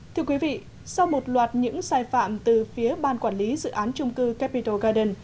thưa quý vị sau một loạt những sai phạm từ phía ban quản lý dự án trung cư capitol garden